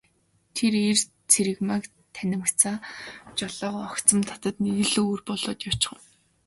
Тэр эр Цэрэгмааг танимагцаа жолоогоо огцом татаад нэг л өөр болоод явчхав.